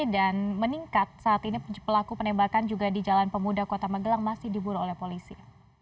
dan meningkat saat ini pelaku penembakan juga di jalan pemuda kota magelang masih diburu oleh polisi